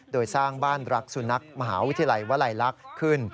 โดยสร้างบ้านรักสุนัขมหาวิทยาลัยวลัยลักษณ์ขึ้น